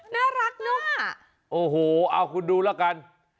น่ารักเนอะโอ้โหเอาคุณดูแล้วกัน